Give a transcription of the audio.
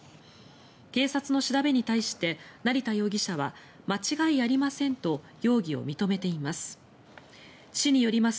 警察の調べに対して成田容疑者は間違いありませんと容疑を認めています。